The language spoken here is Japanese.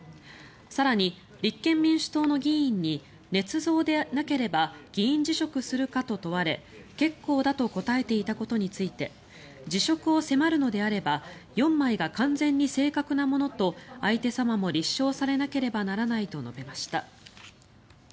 更に、立憲民主党の議員にねつ造でなければ議員辞職するかと問われ結構だと答えていたことについて辞職を迫るのであれば４枚が完全に正確なものと相手様も立証されなければならないと述べました。